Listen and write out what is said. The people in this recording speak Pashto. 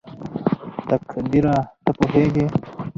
تقديره ته پوهېږې??